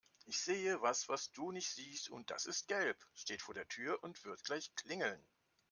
Ich sehe was, was du nicht siehst und das ist gelb, steht vor der Tür und wird gleich klingeln.